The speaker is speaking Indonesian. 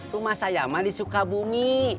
rumah saya mah di sukabumi